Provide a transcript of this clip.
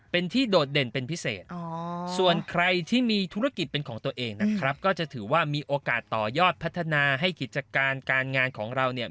เป็นที่โดดเด่นเป็นพิเศษส่วนใครที่มีธุรกิจเป็นของตัวเองนะครับก็จะถือว่ามีโอกาสต่อยอดพัฒนาให้กิจการการงานของเราเนี่ย